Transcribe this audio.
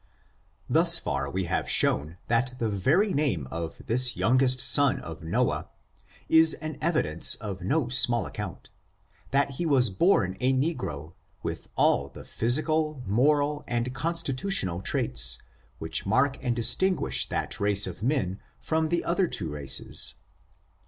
Thus far, we have shown that the very name of this youngest son of Noah, is an evidence of no small account; that he was born a negro, with all the physical, moral, and constitutional traits, which mark and distinguish that race of men from the oth er two races.